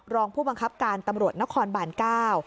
รองผู้บังคับการตำรวจนครบานเก้า